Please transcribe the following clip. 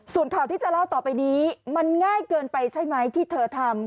ส่วนข่าวที่จะเล่าต่อไปนี้มันง่ายเกินไปใช่ไหมที่เธอทำ